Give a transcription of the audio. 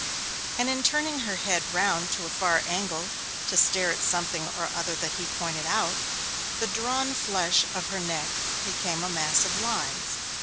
And in turning her head round to a far angle, to stare at something or other that he pointed out, the drawn flesh of her neck became a mass of lines.